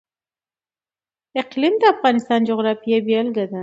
اقلیم د افغانستان د جغرافیې بېلګه ده.